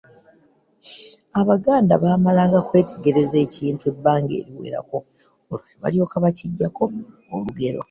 Abaganda baamalanga kwetegerereza ekintu ebbanga eriwera olwo ne balyoka bakiggyako olugero.